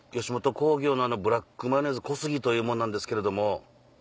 吉本興業のブラックマヨネーズ小杉という者なんですけれども。